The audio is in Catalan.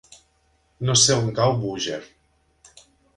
No sé on cau Búger.